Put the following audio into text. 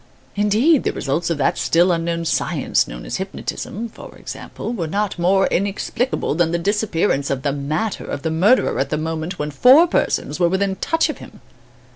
Indeed, the results of that still unknown science known as hypnotism, for example, were not more inexplicable than the disappearance of the "matter" of the murderer at the moment when four persons were within touch of him.